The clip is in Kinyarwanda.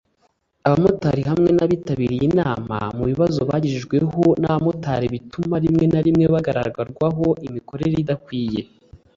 Abamotari hamwe n’abitabiriye inamaMu bibazo yagejejweho n’abamotari bituma rimwe na rimwe bagaragarwaho imikorere idakwiye